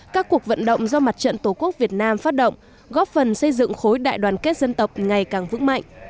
các cuộc vận động do mặt trận tổ quốc việt nam phát động góp phần xây dựng khối đại đoàn kết dân tộc ngày càng vững mạnh